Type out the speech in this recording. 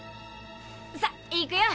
さっ行くよ！